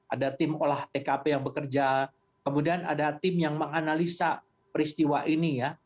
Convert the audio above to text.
ada tim olah tkp yang bekerja kemudian ada tim yang menganalisa peristiwa ini ya